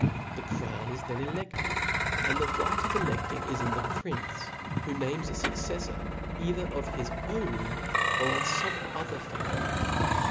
The crown, is then eledive, and the right pt el€;<5ling is in ihc prince, who names a fucceflbr either of his pwn or, of fome other family.